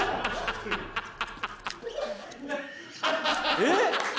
えっ？